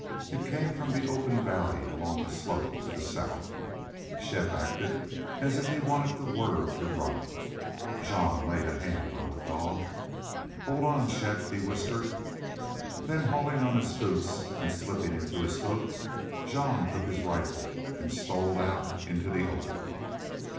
It came from the open valley, along the slope to the south. Shepp acted as if he wanted the word to run. Jean laid a hand on the dog. "Hold on, Shepp," he whispered. Then hauling on his boots and slipping into his coat Jean took his rifle and stole out into the open.